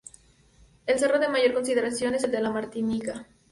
El cerro de mayor consideración es el de La Martinica.